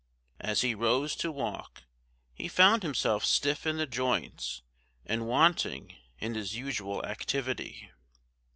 As he rose to walk, he found himself stiff in the joints, and wanting in his usual activity.